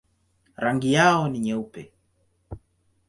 Rangi yao ni nyeupe.